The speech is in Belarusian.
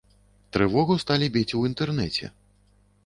Трывогу сталі біць у інтэрнэце.